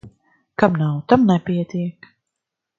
Kam nav, tam nepietiek.